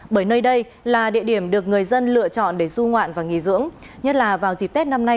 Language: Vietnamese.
bởi nơi đây là địa điểm được người dân lựa chọn để du ngoạn và nghỉ dưỡng nhất là vào dịp tết năm nay